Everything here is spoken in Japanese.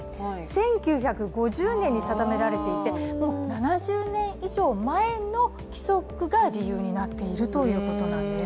１９５０年に定められていてもう７０年以上前の規則が理由になっているということなんです。